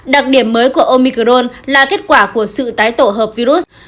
đặc điểm mới của omicrone là kết quả của sự tái tổ hợp virus